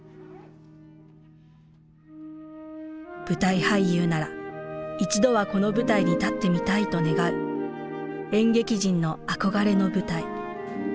舞台俳優なら一度はこの舞台に立ってみたいと願う演劇人の憧れの舞台。